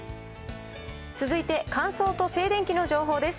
続いて乾燥と静電気の情報です。